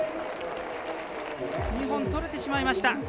２本取れてしまいました。